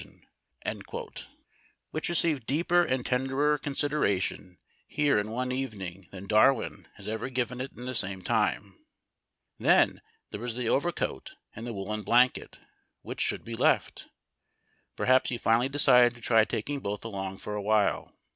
333 was the question, which received deeper and tenderer con sideration here in one evening; than Darwin has ever ofiven it in the same time. Then, there was the overcoat and the woollen blanket which should be left? Perhaps he finally decided to try taking both along for a while.